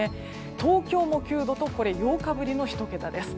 東京も９度と８日ぶりの１桁です。